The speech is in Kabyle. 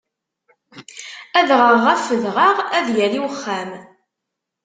Adɣaɣ ɣef udɣaɣ, ad yali uxxam.